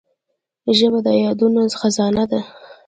ژبه د یادونو خزانه ده